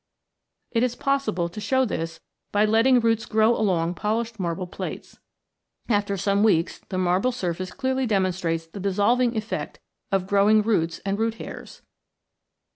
It is possible to show this by letting roots grow along polished marble plates. After some weeks the marble surface clearly demonstrates the dissolving effect of growing roots and root hairs.